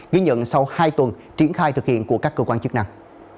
ghi nhận sau hai tuần triển khai thực hiện của các cơ quan chức năng